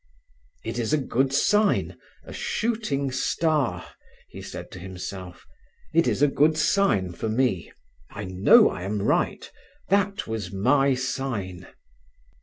"It is a good sign—a shooting star," he said to himself. "It is a good sign for me. I know I am right. That was my sign."